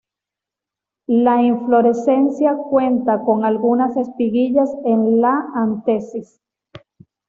La inflorescencia cuenta con algunas espiguillas en la antesis.